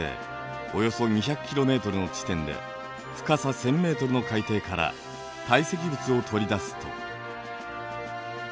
およそ２００ｋｍの地点で深さ１，０００ｍの海底から堆積物を取り出すと。